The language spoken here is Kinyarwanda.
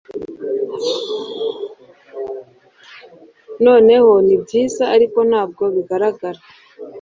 noneho nibyiza Ariko ntabwo bigaragara